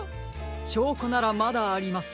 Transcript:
しょうこならまだあります。